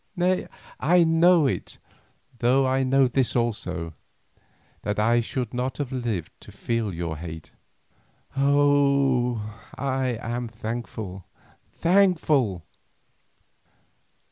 Nay, I know it, though I know this also, that I should not have lived to feel your hate. Oh! I am thankful, thankful."